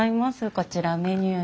こちらメニューです。